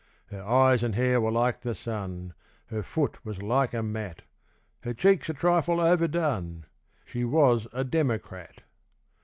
Her eyes and hair were like the sun; Her foot was like a mat; Her cheeks a trifle overdone; She was a democrat.